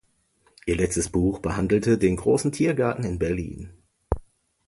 Ihr letztes Buch behandelte den Großen Tiergarten in Berlin.